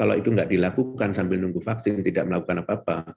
kalau itu tidak dilakukan sambil nunggu vaksin tidak melakukan apa apa